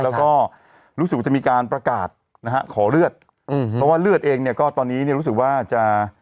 แล้วก็รู้สึกว่าจะมีการประกาศนะฮะขอเลือดอืมเพราะว่าเลือดเองเนี่ยก็ตอนนี้เนี่ยรู้สึกว่าจะ